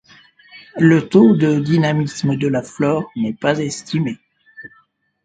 Le taux de dynamisme de la flore n’est pas estimé.